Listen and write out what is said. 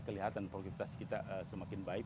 kelihatan produktivitas kita semakin baik